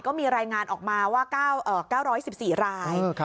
ก็มีรายงานออกมาว่า๙๑๔ราย